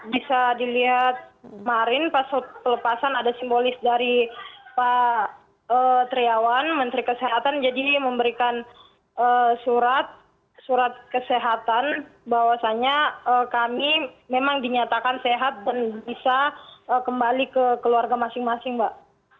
bisa dilihat kemarin pas pelepasan ada simbolis dari pak triawan menteri kesehatan jadi memberikan surat kesehatan bahwasannya kami memang dinyatakan sehat dan bisa kembali ke keluarga masing masing mbak